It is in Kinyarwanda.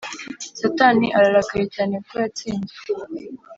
satani ararakaye cyane kuko yatsinzwe